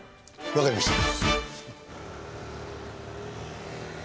わかりました。